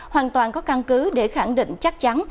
hoàn toàn có căn cứ để khẳng định chắc chắn